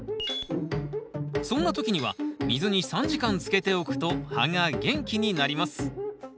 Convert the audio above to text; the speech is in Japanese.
そんな時には水に３時間つけておくと葉が元気になります。